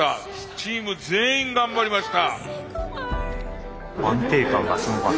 チーム全員頑張りました。